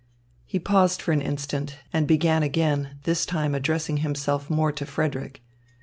He paused for an instant and began again, this time addressing himself more to Frederick.